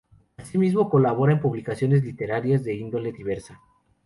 Asimismo, colabora en publicaciones literarias de índole diversa.